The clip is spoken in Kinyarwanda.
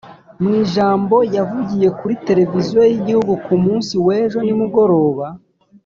mu ijambo yavugiye kuri televiziyo y’igihugu ku munsi w’ejo nimugoroba